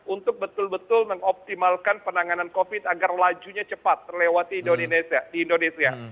untuk betul betul mengoptimalkan penanganan covid agar lajunya cepat terlewati di indonesia